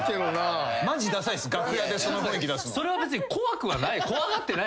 それは別に怖くはない。